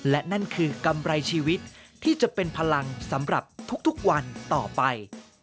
และนั่นคือกำไรชีวิตที่จะเป็นพลังสำหรับทุกวันต่อไป